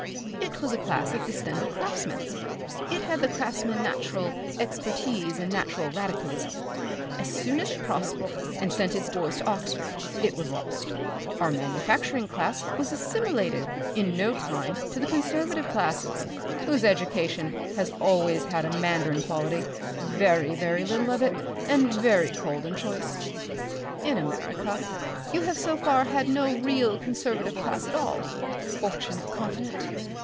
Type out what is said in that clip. It was a class of distended craftsmen. It had the craftsman's natural enterprise and natural radicalism. As soon as it prospered and sent its boys to Oxford it was lost. Our manufacturing class was assimilated in no time to the conservative classes, whose education has always had a mandarin quality very, very little of it, and very cold and choice. In America you have so far had no real conservative class at all. Fortunate continent!